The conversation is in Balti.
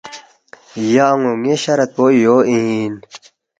”یا ان٘و ن٘ی شرط پو یو اِن